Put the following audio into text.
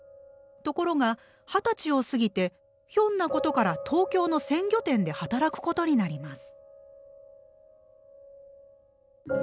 ところが二十歳を過ぎてひょんなことから東京の鮮魚店で働くことになります。